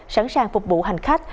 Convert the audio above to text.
sẵn sàng phục vụ hành khách